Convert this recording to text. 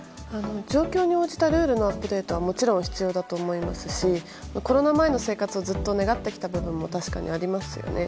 状況に応じたルールになるのはもちろん普通だと思うしコロナ前の生活をずっと願ってきた部分も確かにありますよね。